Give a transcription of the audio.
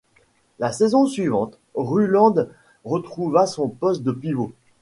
La saison suivante, Ruland retrouva son poste de pivot.